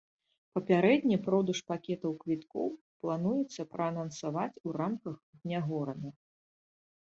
Папярэдне продаж пакетаў квіткоў плануецца праанансаваць у рамках дня горада.